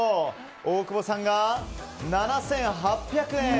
大久保さんが７８００円。